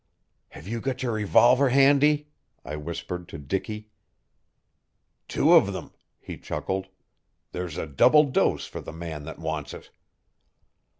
"Have you got your revolver handy?" I whispered to Dicky. "Two of 'em," he chuckled. "There's a double dose for the man that wants it."